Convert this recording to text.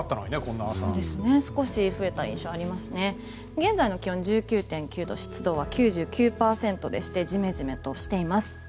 現在の気温１９．９度湿度は９９％でしてジメジメとしています。